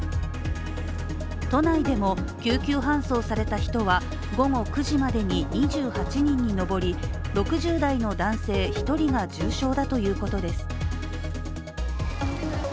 都内でも救急搬送された人は午後９時までに２８人に上り、６０代の男性１人が重症だということです。